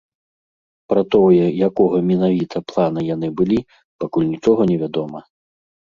Пра тое, якога менавіта плана яны былі, пакуль нічога не вядома.